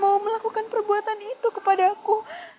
kenapa dia melakukan perbuatan itu kepada aku